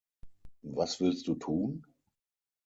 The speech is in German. Was willst du tun?